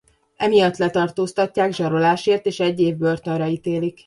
Emiatt letartóztatják zsarolásért és egy év börtönre ítélik.